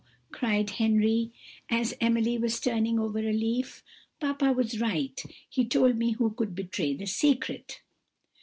cried Henry, as Emily was turning over a leaf, "papa was right; he told me who would betray the secret."